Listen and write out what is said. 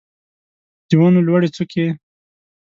د ونو لوړې څوکې